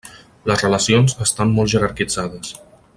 Les relacions estan molt jerarquitzades.